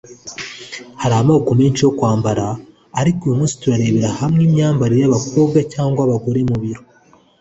Hari amoko menshi yo kwambara ariko uyu munsi turarebera hamwe imyambarire y’abakobwa cyangwa abagore mu biro